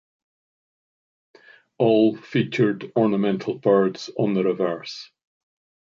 All featured ornamental birds on the reverse.